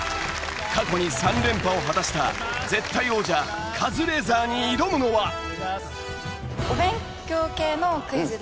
過去に３連覇を果たした絶対王者カズレーザーに挑むのは。